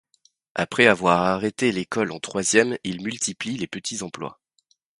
Après avoir arrêté l'école en troisième, il multiplie les petits emplois.